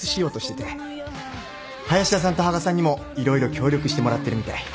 林田さんと羽賀さんにも色々協力してもらってるみたい。